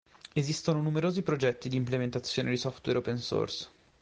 Esistono numerosi progetti di implementazione di software open source.